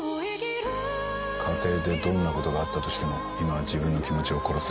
家庭でどんなことがあったとしても今は自分の気持ちを殺せ。